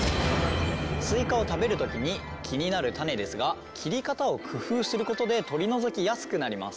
スイカを食べる時に気になる種ですが切り方を工夫することで取り除きやすくなります。